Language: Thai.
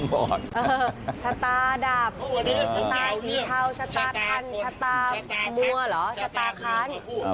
ชะตาดับตาสีเทาชะตาคันชะตามัวเหรอชะตาค้าน